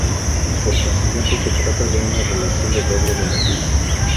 Por consiguiente, se trata de una relación de doble beneficio.